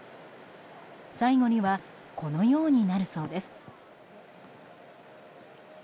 最後にはこのようになるそうです。